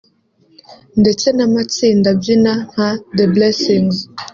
ndetse n’amatsinda abyina nka The Blessings